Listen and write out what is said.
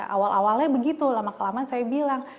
awal awalnya begitu lama kelamaan saya bilang